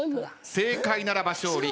正解ならば勝利。